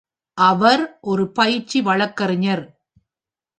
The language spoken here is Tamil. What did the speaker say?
அவர் ஒரு பயிற்சி வழக்கறிஞர்.